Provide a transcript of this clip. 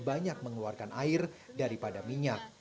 banyak mengeluarkan air daripada minyak